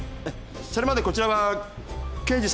それまでこちらは刑事さんと二人で。